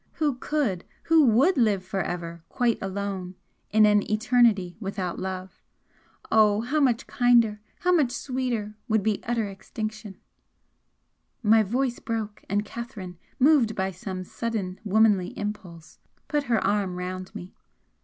Who could, who WOULD live for ever quite alone in an eternity without love? Oh, how much kinder, how much sweeter would be utter extinction " My voice broke; and Catherine, moved by some sudden womanly impulse, put her arm round me.